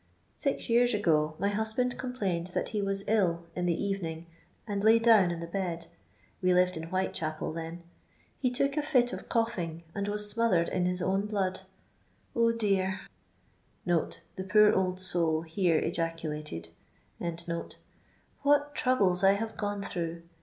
Six years ago, my husband complaint that he was ill, in the evening, and lay down in the bed — wc lived in Whitechapcl then — he took a fit of coughing, and was smothered in hb own blood. 0 dear " (the poor old soul here ejaculated), " what troubles I have gone through!